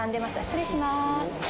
失礼します